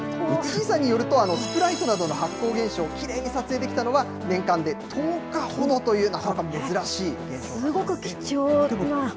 藤井さんによると、スプライトなどの発光現象がきれいに撮影できたのは、年間で１０日ほどという、なかなか珍しい現象なんです。